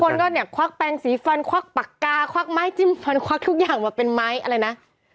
คนก็เนี่ยควักแปลงสีฟันควักปากกาควักไม้จิ้มฟันควักทุกอย่างมาเป็นไม้อะไรนะ